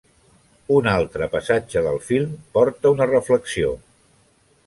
Un altre passatge del film porta una reflexió.